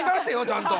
ちゃんと。